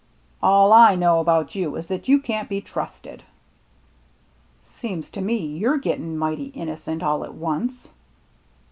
" All I know about you is that you can't be trusted." " Seems to me you're gettin' mighty innocent all to once."